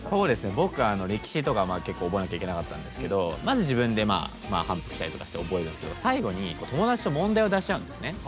僕、歴史とか結構覚えなきゃいけなかったんですけど自分で、反復したりして覚えて最後は友達と問題を出し合うんですよね。